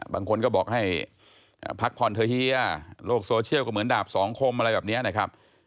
บางคนก็บอกให้พักผ่อนเถอะเฮียโลกโซเชียลก็เหมือนดาบสองคมอะไรแบบนี้นะครับ